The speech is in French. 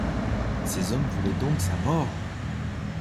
Ces hommes voulaient donc sa mort!